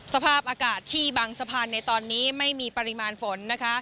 สภาพอากาศที่บางสะพานในตอนนี้ไม่มีปริมาณฝนนะคะ